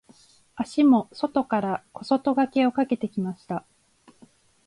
足も外から小外掛けをかけてきました。